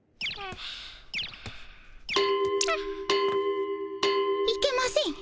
あっいけません。